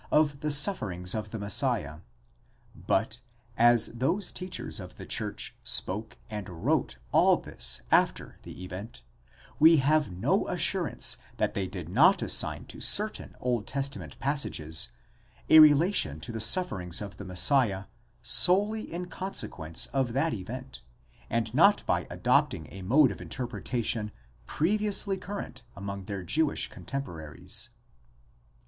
of the sufferings of the Messiah: but as those teachers of the church spoke and wrote all this after the event, we have no assurance that they did not assign to certain Old Testament passages a relation to the sufferings of the Messiah, solely in consquence of that event, and not by adopting a mode of interpretation previously current among their Jewish cotemporaries.